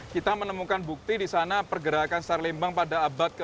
kita menemukan bukti di sana pergerakan sesar lembang pada abad ke tiga